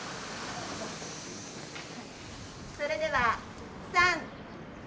それでは３２１。